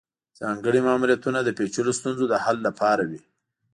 ځانګړي ماموریتونه د پیچلو ستونزو د حل لپاره وي